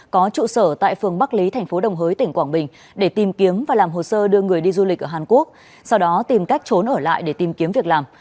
có trụ sở tại phường bắc lý thành phố đồng hới tỉnh quảng bình để tìm kiếm và làm hồ sơ đưa người đi du lịch ở hàn quốc sau đó tìm cách trốn ở lại để tìm kiếm việc làm